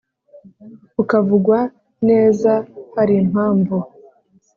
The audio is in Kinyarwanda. Ukavugwa neza hari impamvu,